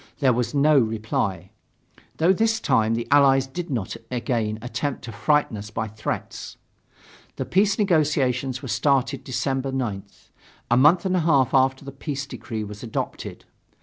There was no reply, though this time the Allies did not again attempt to frighten us by threats. The peace negotiations were started December 9th, a month and a half after the peace decree was adopted.